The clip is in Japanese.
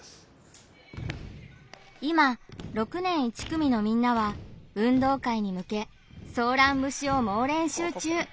今６年１組のみんなは運動会に向けソーラン節を猛練習中。